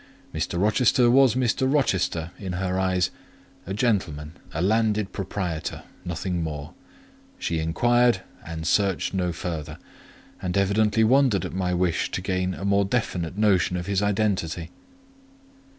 Mr. Rochester was Mr. Rochester in her eyes; a gentleman, a landed proprietor—nothing more: she inquired and searched no further, and evidently wondered at my wish to gain a more definite notion of his identity.